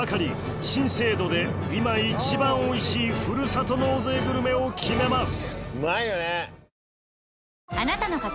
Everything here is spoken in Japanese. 新制度で今一番おいしいふるさと納税グルメを決めます！